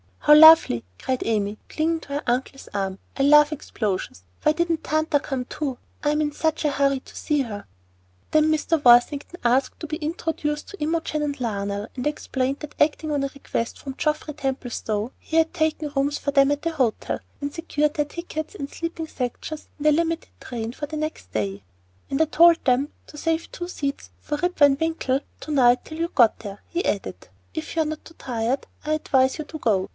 "How lovely!" cried Amy, clinging to her uncle's arm. "I love explosions. Why didn't Tanta come too? I'm in such a hurry to see her." Then Mr. Worthington asked to be introduced to Imogen and Lionel, and explained that acting on a request from Geoffrey Templestowe, he had taken rooms for them at a hotel, and secured their tickets and sleeping sections in the "limited" train for the next day. "And I told them to save two seats for Rip Van Winkle to night till you got there," he added. "If you're not too tired I advise you to go.